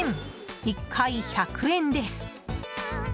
１回１００円です。